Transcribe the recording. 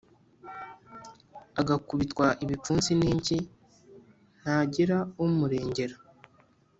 agakubitwa ibipfunsi n'inshyi, ntagira umurengera?